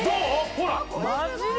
ほらっマジで！？